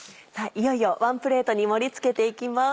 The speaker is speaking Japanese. いよいよワンプレートに盛り付けていきます。